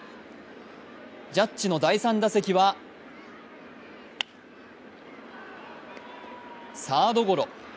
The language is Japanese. ジャッジの第３打席はサードゴロ。